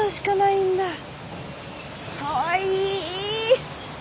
かわいい！